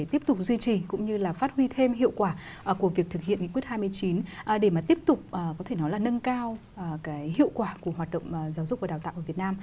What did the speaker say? tiếp tục duy trì cũng như là phát huy thêm hiệu quả của việc thực hiện nghị quyết hai mươi chín để mà tiếp tục có thể nói là nâng cao hiệu quả của hoạt động giáo dục và đào tạo ở việt nam